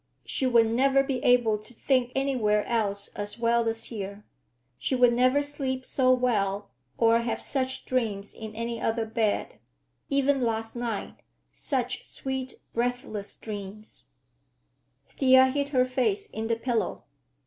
She would never be able to think anywhere else as well as here. She would never sleep so well or have such dreams in any other bed; even last night, such sweet, breathless dreams—Thea hid her face in the pillow.